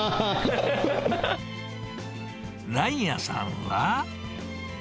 ライヤさんは？